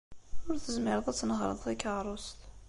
Ur tezmireḍ ad tnehṛeḍ takeṛṛust.